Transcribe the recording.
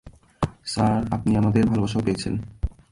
Sir, আপনি আমাদের ভালবাসাও পেয়েছেন।